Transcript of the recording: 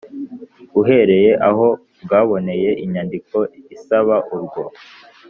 uhereye aho bwaboneye inyandiko isaba urwo